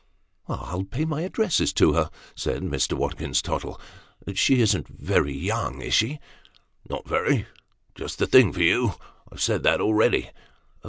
" I'll pay my addresses to her," said Mr. Watkins Tottle. " Sho isn't very young is she ?"" Not very ; just the thing for you. I've said that already."